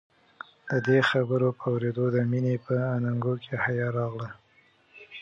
د دې خبرې په اورېدو د مينې په اننګو کې حيا راغله.